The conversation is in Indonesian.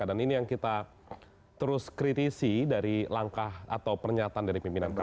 dan ini yang kita terus kritisi dari langkah atau pernyataan dari pimpinan kpk